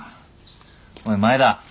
おい前田！